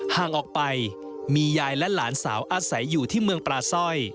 ห่างออกไปมียายและหลานสาวอาศัยอยู่ที่เมืองปลาสร้อย